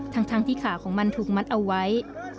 ทั้งที่ขาของมันถูกมัดเอาไว้